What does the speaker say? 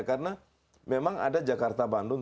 karena memang ada jakarta bandung